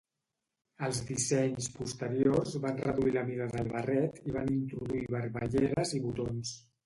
Els dissenys posteriors van reduir la mida del barret i van introduir barballeres i botons.